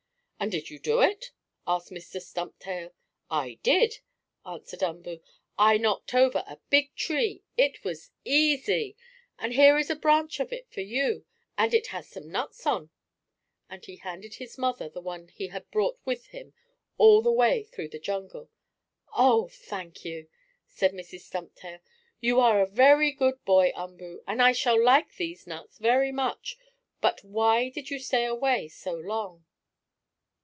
"And did you do it?" asked Mr. Stumptail. "I did," answered Umboo. "I knocked over a big tree. It was easy, and here is a branch of it for you, and it has some nuts on," and he handed his mother the one he had brought with him all the way through the jungle. "Oh, thank you!" said Mrs. Stumptail. "You are a very good boy, Umboo, and I shall like these nuts very much. But why did you stay away so long?"